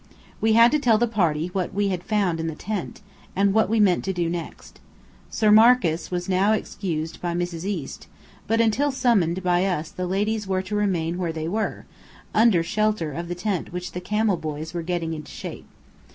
We had to tell the party what we had found in the tent, and what we meant to do next. Sir Marcus was now excused by Mrs. East; but until summoned by us the ladies were to remain where they were, under shelter of the tent which the camel boys were getting into shape.